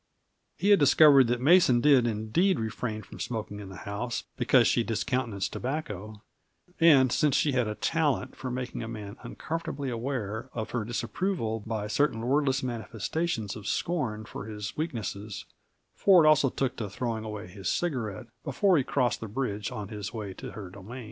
He had discovered that Mason did indeed refrain from smoking in the house because she discountenanced tobacco; and since she had a talent for making a man uncomfortably aware of her disapproval by certain wordless manifestations of scorn for his weaknesses, Ford also took to throwing away his cigarette before he crossed the bridge on his way to her domain.